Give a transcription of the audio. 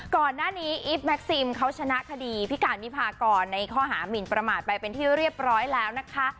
ก่อนหน้านี้อีฟแม็กซิมเขาชนะคดีพิการวิพากรในข้อหามินประมาทไปเป็นที่เรียบร้อยแล้วนะคะ